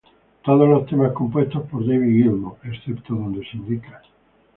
Todos los temas compuestos por David Gilmour, excepto donde se indica.